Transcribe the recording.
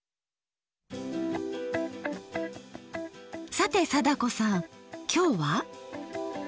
さて貞子さんきょうは？